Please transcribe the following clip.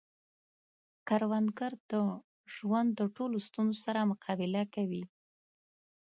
کروندګر د ژوند د ټولو ستونزو سره مقابله کوي